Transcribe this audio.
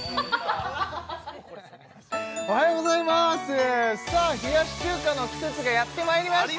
おはようございますさあ冷やし中華の季節がやってまいりました！